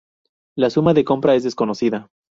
La suma de compra es desconocida.